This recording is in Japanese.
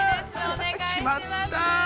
決まった。